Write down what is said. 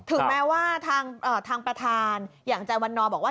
ถึงแม้ว่าทางประธานอย่างอาจารย์วันนอบอกว่า